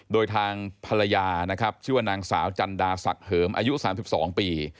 โดยทางภรรยาชื่อนางสาวจันดาศักดิ์เหิมอายุ๓๒ปี